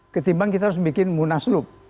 ketimbang kita harus bikin munaslup